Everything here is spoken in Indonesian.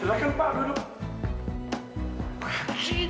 silahkan pak duduk